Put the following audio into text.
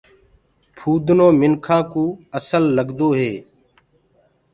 ڦُودنو منکآ ڪوُ اسل لگدو هي۔